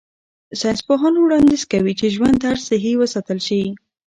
ساینسپوهان وړاندیز کوي چې ژوند طرز صحي وساتل شي.